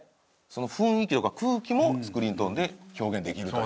その雰囲気とか空気もスクリーントーンで表現できると。